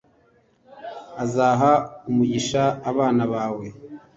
Azaha umugisha abana bawe,